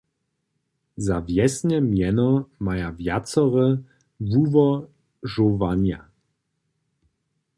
Za wjesne mjeno maja wjacore wułožowanja.